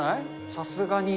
さすがに。